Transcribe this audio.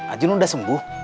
ajun udah sembuh